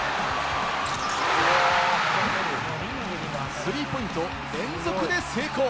スリーポイントを連続で成功！